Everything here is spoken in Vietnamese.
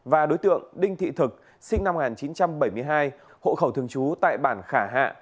và đối tượng đinh thị thực sinh năm một nghìn chín trăm bảy mươi hai hộ khẩu thường trú tại bản khả hạ